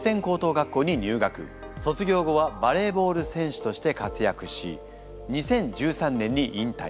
卒業後はバレーボール選手として活躍し２０１３年に引退。